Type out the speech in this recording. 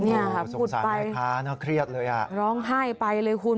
เนี่ยครับสงสารให้ค่ะน่าเครียดเลยอ่ะร้องไห้ไปเลยคุณ